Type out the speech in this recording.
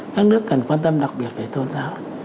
các nước cần quan tâm đặc biệt về tôn giáo